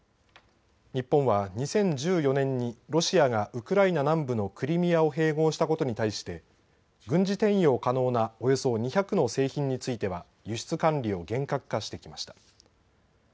日本は２０１４年にロシアがウクライナ南部のクリミアを併合したことに対して軍事転用可能なおよそ２００の製品については輸出管理を厳格化してきました。